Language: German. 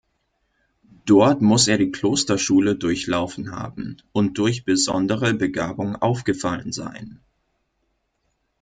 Dort muss er die Klosterschule durchlaufen haben und durch besondere Begabung aufgefallen sein.